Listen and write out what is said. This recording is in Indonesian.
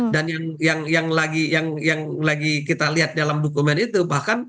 dan yang lagi kita lihat dalam dokumen itu bahkan